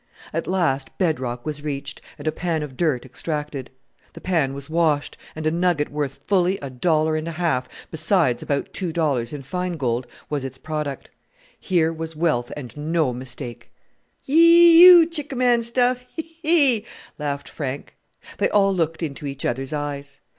At last bed rock was reached, and a pan of dirt extracted. The pan was washed, and a nugget worth fully a dollar and a half, besides about two dollars in fine gold, was its product. Here was wealth and no mistake! "Hi u chickaman stuff, he! he!" laughed Frank. They all looked into each other's eyes.